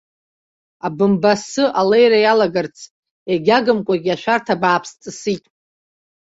Абымба-сы алеира иалагарц егьагымкәагьы ашәарҭа бааԥс ҵысит.